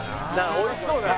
おいしそうだね